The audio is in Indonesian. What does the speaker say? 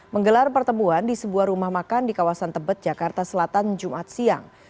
menggelar pertemuan di sebuah rumah makan di kawasan tebet jakarta selatan jumat siang